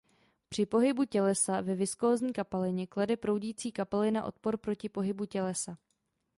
Při pohybu tělesa ve viskózní kapalině klade proudící kapalina odpor proti pohybu tělesa.